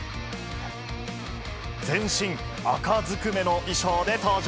全身赤ずくめの衣装で登場。